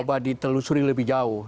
yang telusuri lebih jauh